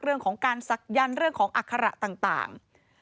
เรื่องของการศักยันต์เรื่องของอัคระต่าง